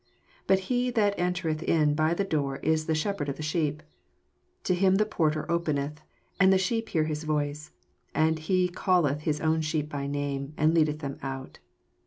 2 But he that entereth in by the door is the shepherd of the sheep. 3 To him the porter openeth; and the sheep hear his voice: and he oall eth his own sheep by name, and lead eth them out.